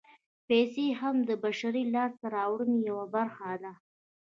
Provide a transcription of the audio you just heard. پیسې هم د بشري لاسته راوړنو یوه برخه ده